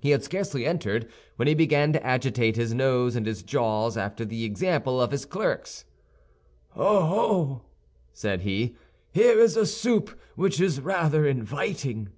He had scarcely entered when he began to agitate his nose and his jaws after the example of his clerks. "Oh, oh!" said he; "here is a soup which is rather inviting."